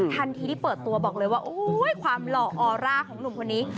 ทันทีที่เปิดตัวบอกเลยว่าความหล่ออร่าของนุ่มคนนี้